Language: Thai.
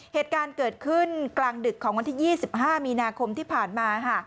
เหตุการณ์เกิดขึ้นกลางดึกของวันที่๒๕มีนาคมที่ผ่านมา